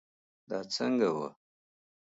دا څنګه وه